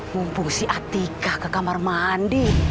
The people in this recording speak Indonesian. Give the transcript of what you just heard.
mumpung si atika ke kamar mandi